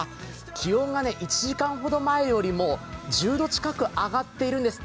気温が１時間ほど前よりも１０度近く上がっているんです。